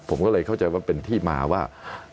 ผมก็เลยเข้าใจว่าเป็นที่มาว่า